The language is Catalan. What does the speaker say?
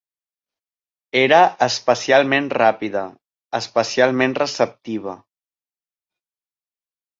Era especialment ràpida, especialment receptiva.